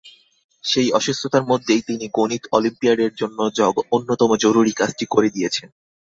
সেই অসুস্থতার মধ্যেই তিনি গণিত অলিম্পিয়াডের জন্য অন্যতম জরুরি কাজটি করে দিয়েছেন।